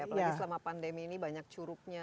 apalagi selama pandemi ini banyak curugnya